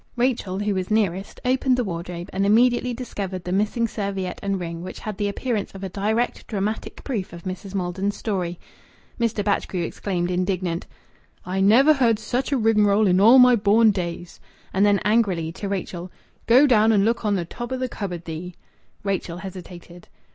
Rachel, who was nearest, opened the wardrobe and immediately discovered the missing serviette and ring, which had the appearance of a direct dramatic proof of Mrs. Maldon's story. Mr. Batchgrew exclaimed, indignant "I never heard such a rigmarole in all my born days." And then, angrily to Rachel, "Go down and look on th' top o' th' cupboard, thee!" Rachel hesitated.